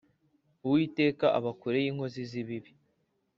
uwiteka aba kure y’inkozi z’ibibi